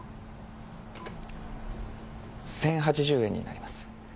１０８０円になります。